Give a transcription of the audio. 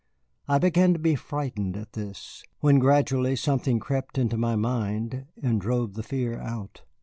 I began to be frightened at this, when gradually something crept into my mind and drove the fear out.